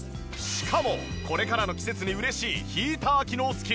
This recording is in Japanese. しかもこれからの季節に嬉しいヒーター機能付き！